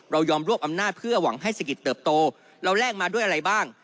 ยอมรวบอำนาจเพื่อหวังให้เศรษฐกิจเติบโตเราแลกมาด้วยอะไรบ้าง